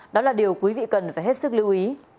đó là điều quý vị cần phải hết sức lưu ý